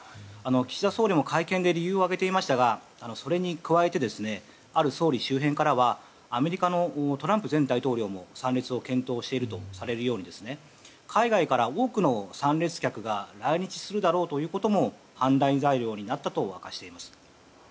岸田総理も会見で理由を挙げていましたがそれに加えてある総理周辺からはアメリカのトランプ前大統領も参列を検討しているとされるように海外から多くの参列客が来日するだろうということも判断材料になったと明かしています。